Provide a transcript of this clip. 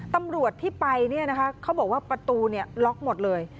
ตำรวจที่ไปเขาบอกว่าประตูล็อกหมดเลย